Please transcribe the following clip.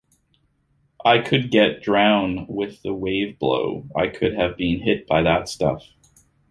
I could get drown with the wave blow, I could have been hit by that stuff!